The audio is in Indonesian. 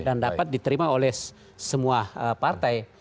dan dapat diterima oleh semua partai